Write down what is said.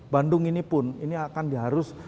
bandung ini pun ini akan diharuskan